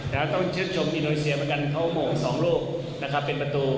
ต้องเชื่อชมนิโนเซียเหมือนกันเท่าโมง๒ลูกเป็นประตู